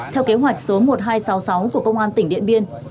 theo kế hoạch số một nghìn hai trăm sáu mươi sáu của công an tỉnh điện biên